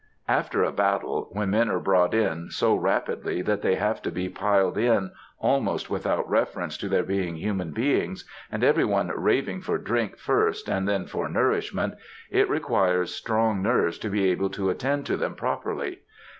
After a battle, when men are brought in so rapidly that they have to be piled in almost without reference to their being human beings, and every one raving for drink first and then for nourishment, it requires strong nerves to be able to attend to them properly.